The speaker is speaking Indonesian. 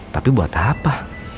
tapi buat apa